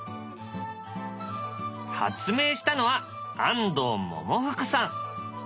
発明したのは安藤百福さん。